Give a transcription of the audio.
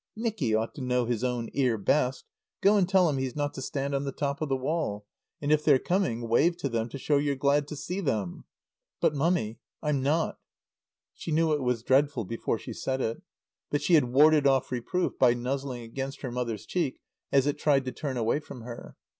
"Nicky ought to know his own ear best. Go and tell him he's not to stand on the top of the wall. And if they're coming wave to them, to show you're glad to see them." "But Mummy I'm not." She knew it was dreadful before she said it. But she had warded off reproof by nuzzling against her mother's cheek as it tried to turn away from her.